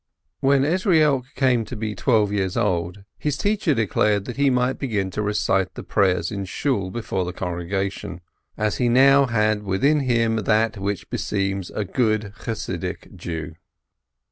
When Ezrielk came to be twelve years old, his teacher declared that he might begin to recite the prayers in Shool before the congregation, as he now had within him that which beseems a good Chassidic Jew.